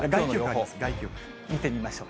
見てみましょう。